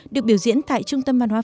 được biểu diễn tại trung tâm manoan